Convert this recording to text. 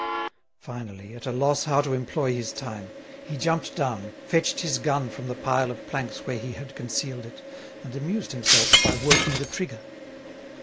Finally, at a loss how to employ his time, he jumped down, fetched his gun from the pile of planks where he had concealed it, and amused himself by working the trigger.